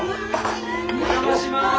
お邪魔します。